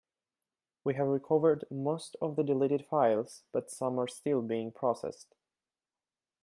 We have recovered most of the deleted files, but some are still being processed.